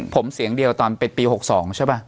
ผมเสียงเดียวตอนเป็นปี๖๒ใช่ป่ะ